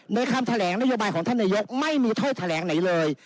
คำแถลงนโยบายของท่านนายกไม่มีโทษแถลงไหนเลย